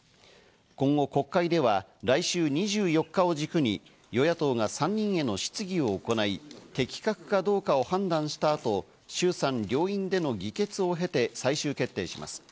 今後、国会では来週２４日を軸に与野党が３人への質疑を行い、適格かどうかを判断したあと、衆参両院での議決を経て、最終決定します。